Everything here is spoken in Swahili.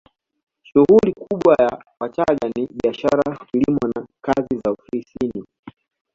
Shughuli kubwa ya Wachagga ni biashara kilimo na kazi za ofisini